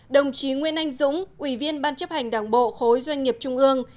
đồng chí nguyên anh dũng ủy viên ban chấp hành đảng bộ khối doanh nghiệp trung ương